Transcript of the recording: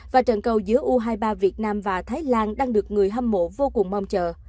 và trận cầu giữa u hai mươi ba việt nam và thái lan đang được người hâm mộ vô cùng mong chờ